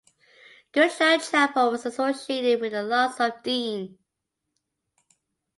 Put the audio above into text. Goodshaw Chapel was associated with the Larks of Dean.